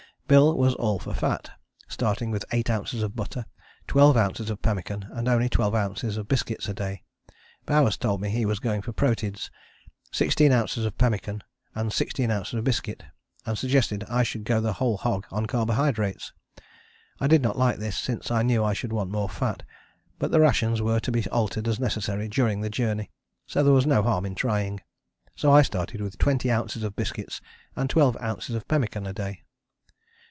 Bill was all for fat, starting with 8 oz. butter, 12 oz. pemmican and only 12 oz. biscuit a day. Bowers told me he was going for proteids, 16 oz. pemmican and 16 oz. biscuit, and suggested I should go the whole hog on carbo hydrates. I did not like this, since I knew I should want more fat, but the rations were to be altered as necessary during the journey, so there was no harm in trying. So I started with 20 oz. of biscuit and 12 oz. of pemmican a day.